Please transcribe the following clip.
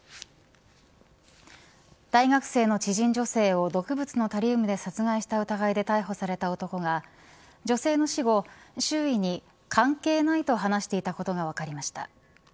大学生の知人女性を毒物のタリウムで殺害した疑いで逮捕された男が女性の死後周囲に関係ないと話していたことが分かりました。